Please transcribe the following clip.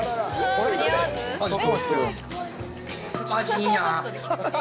マジいいな。